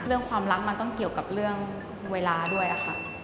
เรื่องความรักมันต้องเกี่ยวกับเรื่องเวลาด้วยค่ะ